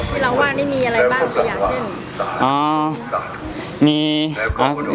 ที่เราว่านี่มีอะไรบ้างอีกอย่างหนึ่ง